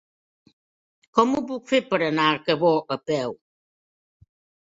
Com ho puc fer per anar a Cabó a peu?